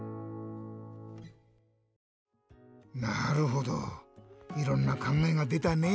なるほどいろんなかんがえがでたね。